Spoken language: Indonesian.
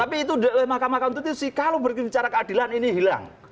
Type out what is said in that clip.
tapi itu mahkamah konstitusi kalau berbicara keadilan ini hilang